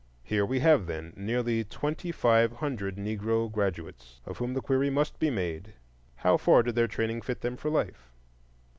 Here we have, then, nearly twenty five hundred Negro graduates, of whom the crucial query must be made, How far did their training fit them for life?